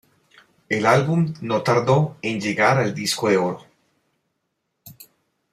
El álbum no tardó en llegar al disco de oro.